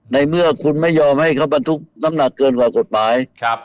ในเมื่อคุณไม่ยอมให้เขาบรรทุกน้ำหนักเกินกว่ากฎหมาย